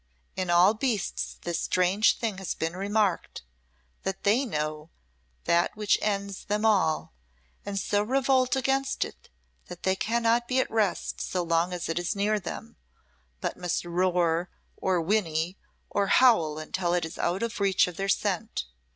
In all beasts this strange thing has been remarked that they know that which ends them all, and so revolt against it that they cannot be at rest so long as it is near them, but must roar, or whinny, or howl until 'tis out of the reach of their scent.